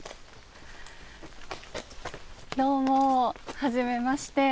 どうもはじめまして。